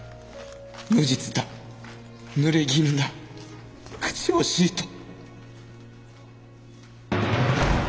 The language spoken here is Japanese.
「無実だぬれぎぬだ口惜しい」と。